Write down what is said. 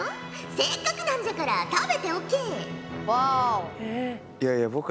せっかくなんじゃから食べておけ！